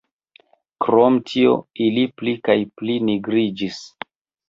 Krom tio, ili pli kaj pli nigriĝis.